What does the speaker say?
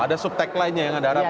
ada sub tek line nya yang anda harapkan